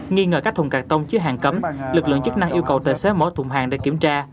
nghi ngờ các thùng cắt tông chứa hàng cấm lực lượng chức năng yêu cầu tài xế mở thùng hàng để kiểm tra